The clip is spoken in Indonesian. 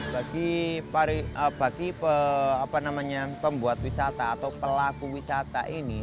bagi pembuat wisata atau pelaku wisata ini